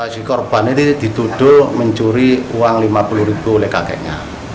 si korban ini dituduh mencuri uang lima puluh ribu oleh kakeknya